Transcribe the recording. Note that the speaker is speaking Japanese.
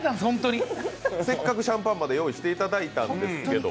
せっかくシャパンまで用意していただいたんですけど。